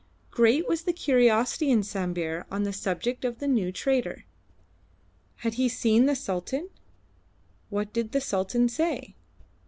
Great was the curiosity in Sambir on the subject of the new trader. Had he seen the Sultan? What did the Sultan say?